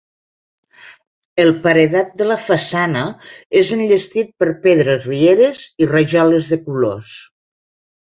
El paredat de la façana és enllestit per pedres rieres i rajoles de colors.